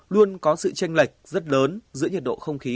luôn có sự tranh lệch rất lớn giữa nhiệt độ không khí